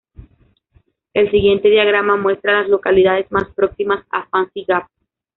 El siguiente diagrama muestra a las localidades más próximas a Fancy Gap.